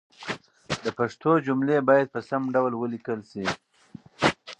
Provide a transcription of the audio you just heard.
د پښتو جملې باید په سم ډول ولیکل شي.